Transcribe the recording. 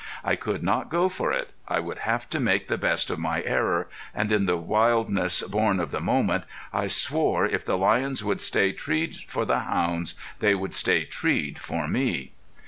I could not go for it; I would have to make the best of my error, and in the wildness born of the moment I swore if the lions would stay treed for the hounds they would stay treed for me.